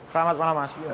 selamat malam mas